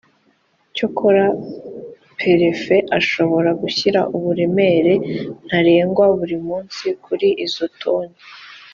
cyakora perefe ashobora gushyira uburemere ntarengwa buri munsi kuri izo toni